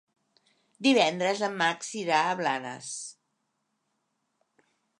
Divendres en Max irà a Blanes.